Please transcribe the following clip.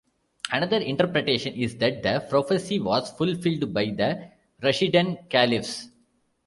Another interpretation is that the prophecy was fulfilled by the Rashidun Caliphs.